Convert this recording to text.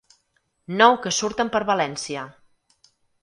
Nou que surten per València.